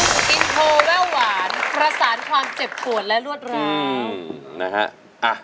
อินโทรแว่วหวานประสานความเจ็บปวดและรวดรามนะฮะ